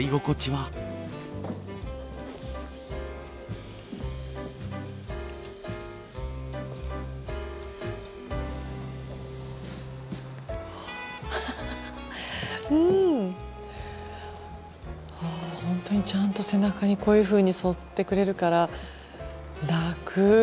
はホントにちゃんと背中にこういうふうに沿ってくれるから楽。